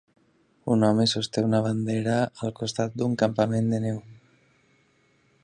Un home sosté una bandera al costat d'un campament de neu.